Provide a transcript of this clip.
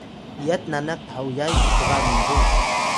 iyat nanak thoyay tkba miru